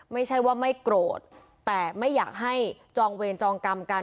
ไม่ใช่ว่าไม่โกรธแต่ไม่อยากให้จองเวรจองกรรมกัน